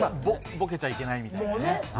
ボケちゃいけないみたいなね。